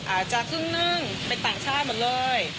อาจจะครึ่งหนึ่งเป็นต่างชาติหมดเลย